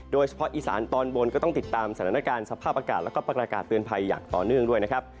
โดยเฉพาะอีสานตอนบนก็ต้องติดตามสถานการณ์สภาพอากาศแล้วก็ประกาศเตือนภัยอย่างต่อเนื่องด้วยนะครับ